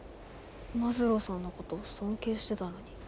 マズローさんのこと尊敬してたのに。